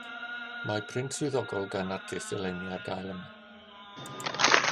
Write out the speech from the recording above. Mae print swyddogol gan artist eleni ar gael yma